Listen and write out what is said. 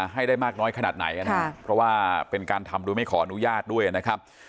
ให้ได้มากน้อยขนาดไหนนะครับเพราะว่าเป็นการทำโดยไม่ขออนุญาตด้วยนะครับ